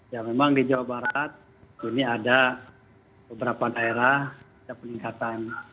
ya memang di jawa barat ini ada beberapa daerah ada peningkatan